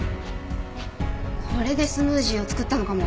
これでスムージーを作ったのかも。